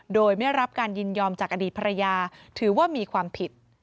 โดยไม่รับการยินยอมจากอดีตภรรยาถือว่ามีความผิด